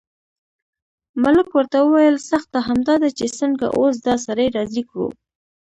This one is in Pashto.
ملک ورته وویل سخته همدا ده چې څنګه اوس دا سړی راضي کړو.